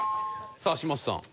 さあ嶋佐さん。